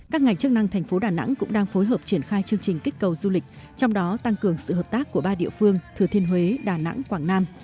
các ngành chức năng thành phố đà nẵng cũng đang phối hợp triển khai chương trình kích cầu du lịch trong đó tăng cường sự hợp tác của ba địa phương thừa thiên huế đà nẵng quảng nam